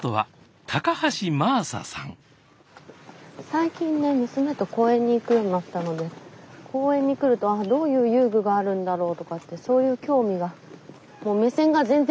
最近ね娘と公園に行くようになったので公園に来るとどういう遊具があるんだろうとかってそういう興味が。